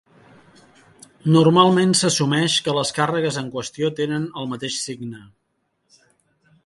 Normalment s'assumeix que les càrregues en qüestió tenen el mateix signe.